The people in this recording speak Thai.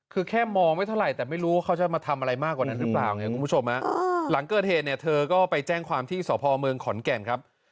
คือแค่มองไม่เท่าไหร่แต่ไม่รู้ว่าเขาจะมาทำอะไรมากกว่านั้นหรือเปล่าไงคุณผู้ชมหลังเกิดเหตุเนี่ยเธอก็ไปแจ้งความที่สพเมืองขอนแก่นครับ